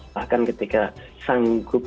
bahkan ketika sanggup